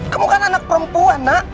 kamu kan anak perempuan nak